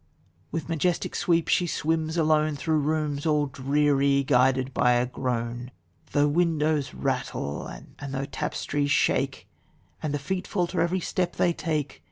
with majestic sweep she swims alone Through rooms, all dreary, guided by a groan, Though windows rattle and though tap'stries shake And the feet falter every step they take.